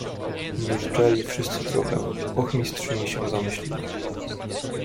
"Milczeli wszyscy trochę, ochmistrzyni się zamyśliła."